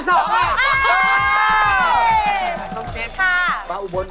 สองเจ็ดค่ะมาอุบนบ่อยไหมคะ